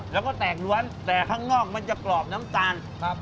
แล้วก็แตกล้วนแต่ข้างนอกมันจะกรอบน้ำตาลครับ